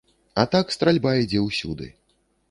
А так стральба ідзе ўсюды.